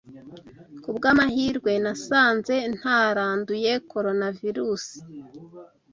Ku bw'amahirwe, nasanze ntaranduye Coronavirusi.